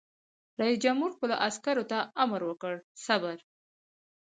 رئیس جمهور خپلو عسکرو ته امر وکړ؛ صبر!